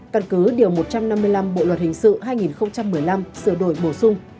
căn cứ điều một trăm năm mươi năm bộ luật hình sự hai nghìn một mươi năm sửa đổi bổ sung